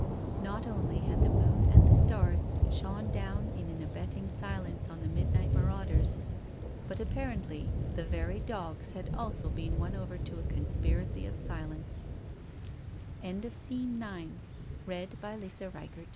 *' Not only had the moon and the stars shone down in an abetting silence on the midnight marauders, but apparently the very dogs had also been won over to a conspiracy of silence« SCE